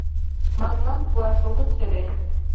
Марлан пуаш огыт сӧрӧ...